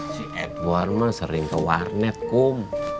si edwar mah sering ke warnet kum